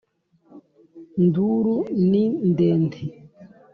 nduru ni ndende